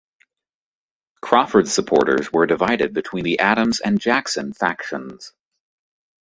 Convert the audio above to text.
Crawford's supporters were divided between the Adams and Jackson factions.